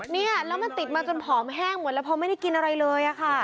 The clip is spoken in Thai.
เนี่ยแล้วมันติดมาจนผอมแห้งหมดแล้วพอไม่ได้กินอะไรเลยค่ะ